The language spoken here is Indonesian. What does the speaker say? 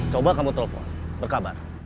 coba kamu telepon berkabar